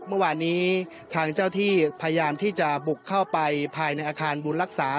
เมื่อวานนี้ทางเจ้าที่พยายามที่จะบุกเข้าไปภายในอาคารบุญรักษา